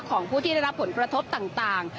ของผู้ที่ได้รับผลกระทบต่าง